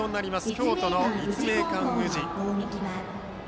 京都の立命館宇治。